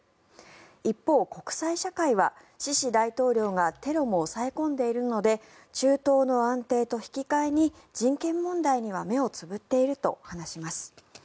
一方、国際社会はシシ大統領がテロも抑え込んでいるので中東の安定と引き換えに人権問題には目をつぶっていると話します。